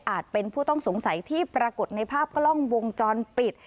เป็นผู้ต้องสงสัยที่ปรากฏในภาพกล้องวงจรปิด